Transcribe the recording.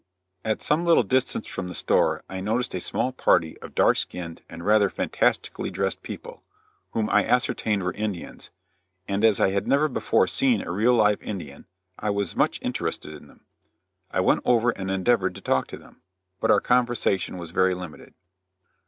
At some little distance from the store I noticed a small party of dark skinned and rather fantastically dressed people, whom I ascertained were Indians, and as I had never before seen a real live Indian, I was much interested in them. I went over and endeavored to talk to them, but our conversation was very limited.